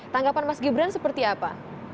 tanggapan mas gibran seperti apa